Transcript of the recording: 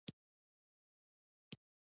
په همدې سیمه به کاروانونه شام ته تلل.